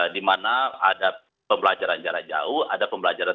di mana ada pembelajaran jarak jauh ada pembelajaran